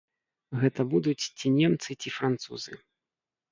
Гэта будуць, ці немцы, ці французы.